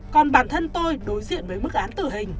còn bản thân tôi đối diện với mức án tử hình